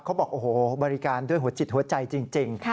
เขาบอกโอ้โหบริการด้วยหัวจิตหัวใจจริง